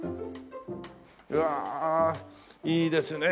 うわあいいですね。